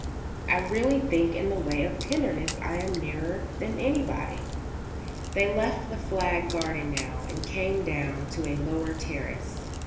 I really think that in the way of tenderness I am nearer than anybody." They left the flagged garden now, and came down to a lower terrace.